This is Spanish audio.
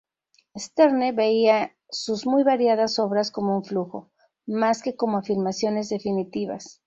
Sterne veía sus muy variadas obras como un flujo, más que como afirmaciones definitivas.